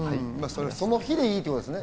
その日でいいということですね。